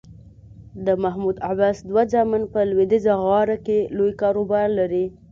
د محمود عباس دوه زامن په لویدیځه غاړه کې لوی کاروبار لري.